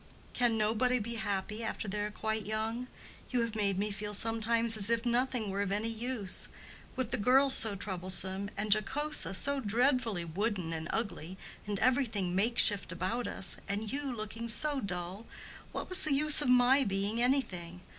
"Can nobody be happy after they are quite young? You have made me feel sometimes as if nothing were of any use. With the girls so troublesome, and Jocosa so dreadfully wooden and ugly, and everything make shift about us, and you looking so dull—what was the use of my being anything?